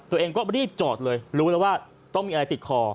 ตัวเองก็รีบจอดเลยรู้แล้วว่าต้องมีอะไรติดคอ